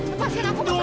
lepaskan aku papa